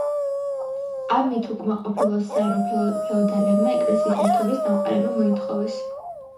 ამით უკმაყოფილო საერო ფეოდალებმა ეკლესიის ერთობის დამყარება მოითხოვეს.